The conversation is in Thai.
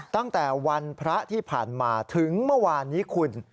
ตั้งแต่วันพระที่ผ่านมาถึงเมื่อวานนี้คุณ